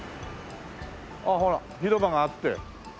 ああほら広場があって。